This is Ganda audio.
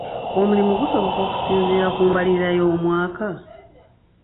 Omulimu gusoboka okusinziira ku mbalirira y'omwaka?